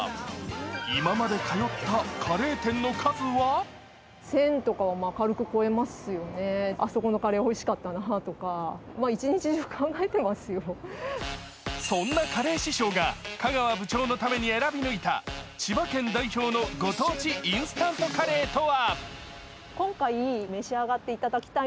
今まで通ったカレー店の数はそんなカレー師匠が香川部長のために選び抜いた千葉県代表のご当地インスタントカレーとは？